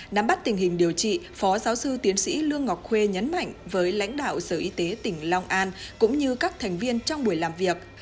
nắm bắt tình hình điều trị phó giáo sư tiến sĩ lương ngọc khuê nhấn mạnh với lãnh đạo sở y tế tỉnh long an cũng như các thành viên trong buổi làm việc